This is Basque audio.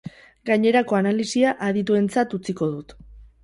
Gainerako analisia adituentzat utziko dut.